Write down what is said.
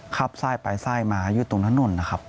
ไส้ไปซ้ายมาอยู่ตรงถนนนะครับ